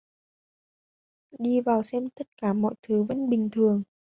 Đi vào xem tất cả mọi thứ vẫn bình thường